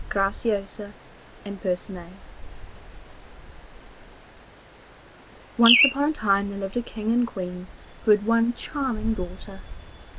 GRACIOSA AND PERCINET Once upon a time there lived a King and Queen who had one charming daughter.